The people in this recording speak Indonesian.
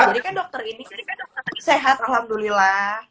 jadi kan dokter ini sehat alhamdulillah